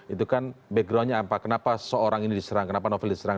itu kan backgroundnya apa kenapa seorang ini diserang kenapa novel diserang